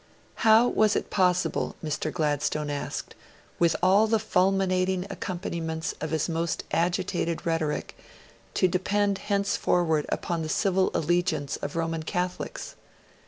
How was it possible, Mr. Gladstone asked, with all the fulminating accompaniments of his most agitated rhetoric, to depend henceforward upon the civil allegiance of Roman Catholics?